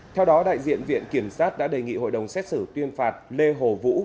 theo đó đại diện viện kiểm sát đã đề nghị hội đồng xét xử tuyên phạt lê hồ vũ